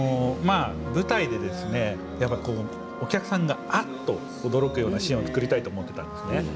舞台に、やっぱりお客さんがあっと驚くようなシーンを作りたいと思ったんですね。